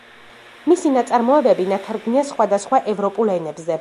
მისი ნაწარმოებები ნათარგმნია სხვადასხვა ევროპულ ენებზე.